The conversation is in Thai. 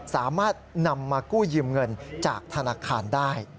สามารถนำมากู้ยืมเงินจากธนาคารได้